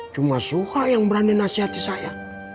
cuma suha yang berani nasihati saya